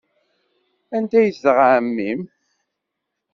Anda ay yezdeɣ ɛemmi-m?